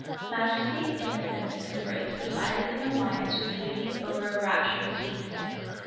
Majesty, innocence, and grace presided in alliance with beauty over a rapturous feast.